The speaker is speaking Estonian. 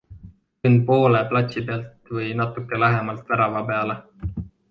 Lõin poole platsi pealt või natuke lähemalt värava peale.